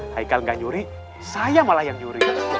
haikal gak nyuri saya malah yang nyuri